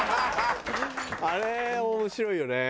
あれ面白いよね。